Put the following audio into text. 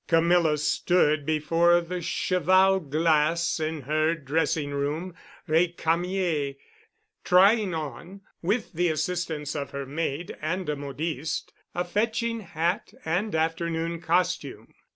Camilla stood before the cheval glass in her dressing room (Recamier) trying on, with the assistance of her maid and a modiste, a fetching hat and afternoon costume.